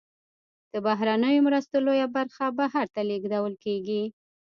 د بهرنیو مرستو لویه برخه بهر ته لیږدول کیږي.